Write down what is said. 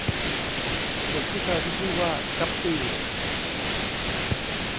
เด็กผู้ชายที่ชื่อว่า กั๊ปปี้